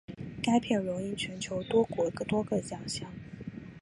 该片荣膺全球多国多个奖项。